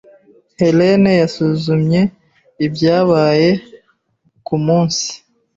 Helen yasuzumye ibyabaye kumunsi.